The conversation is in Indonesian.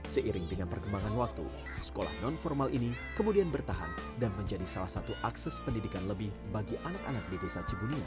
seiring dengan perkembangan waktu sekolah non formal ini kemudian bertahan dan menjadi salah satu akses pendidikan lebih bagi anak anak di desa cibunyi